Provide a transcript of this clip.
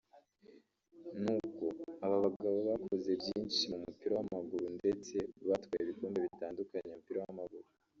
ni uko aba bagabo bakoze byinshi mu mupira w’amaguru ndetse batwaye ibikombe bitandukanye mu mupira w’amaguru